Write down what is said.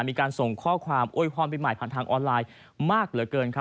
มีการส่งข้อความโวยพรปีใหม่ผ่านทางออนไลน์มากเหลือเกินครับ